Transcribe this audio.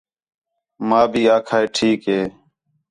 ماں بھی آکھا ہِے ٹھیک ہِے